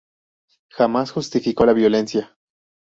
Jamás justificó la violencia.